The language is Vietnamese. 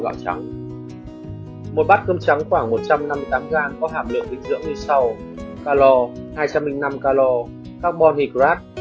gạo trắng một bát cơm trắng khoảng một trăm năm mươi tám g có hàm lượng dinh dưỡng như sau calo carbon hydrate